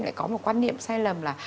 lại có một quan niệm sai lầm là